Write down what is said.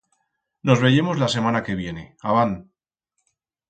Nos veyemos la semana que viene, abant!